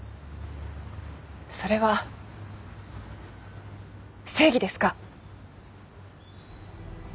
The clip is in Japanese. それは正義ですか？